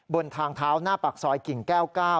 บนทางเท้าหน้าปากซอยกิ่งแก้ว๙